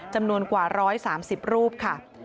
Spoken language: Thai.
จำนวนกว่า๑๓๐รูปค่ะ